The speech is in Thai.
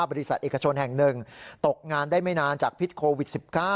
บริษัทเอกชนแห่งหนึ่งตกงานได้ไม่นานจากพิษโควิด๑๙